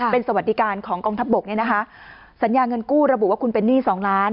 เป็นสวัสดิการของกองทัพบกเนี่ยนะคะสัญญาเงินกู้ระบุว่าคุณเป็นหนี้สองล้าน